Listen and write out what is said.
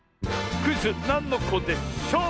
クイズ「なんのこでショー」！